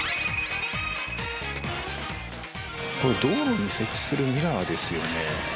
これ道路に設置するミラーですよね。